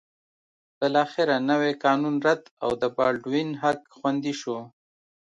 بالاخره نوی قانون رد او د بالډوین حق خوندي شو.